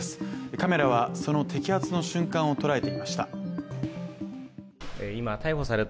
カメラはその摘発の瞬間を捉えていました。